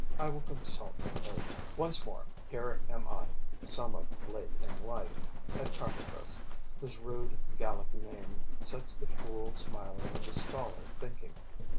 I will consult both. Once more, here am I, somewhat late in life, at Carpentras, whose rude Gallic name sets the fool smiling and the scholar thinking.